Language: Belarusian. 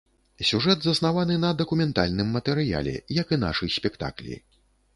Сюжэт заснаваны на дакументальным матэрыяле, як і нашы спектаклі.